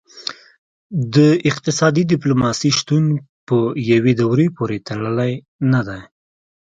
د اقتصادي ډیپلوماسي شتون په یوې دورې پورې تړلی نه دی